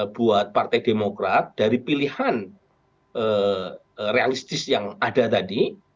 buat partai demokrat dari pilihan realistis yang ada tadi